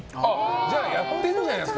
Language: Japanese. じゃあやってるんじゃないですか？